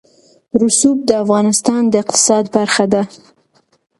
رسوب د افغانستان د اقتصاد برخه ده.